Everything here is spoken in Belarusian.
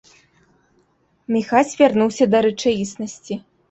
Міхась вярнуўся да рэчаіснасці.